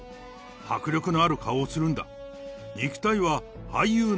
迫力のある顔をするんだ。